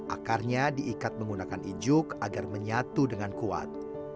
akarnya diikat menggunakan ijuk agar menyatu dengan kuat